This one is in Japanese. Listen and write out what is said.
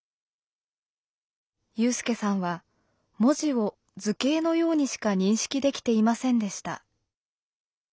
有さんは文字を図形のようにしか認識できていませんでした。